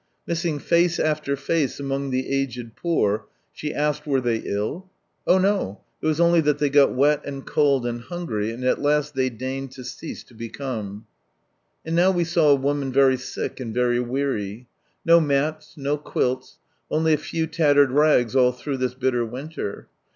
Missing face after face among the aged poor, she asked were they ill? Oh no, it was only that they got wet, and cold, and hungry, and at last they " deigned to cease to become." And now we saw a woman very sick and very weary. No mats, no quilts, only a few tattered rags all through this bitter winter.